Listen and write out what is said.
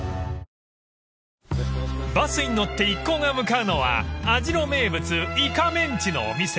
［バスに乗って一行が向かうのは網代名物イカメンチのお店］